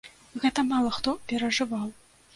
Гэта мала хто перажываў.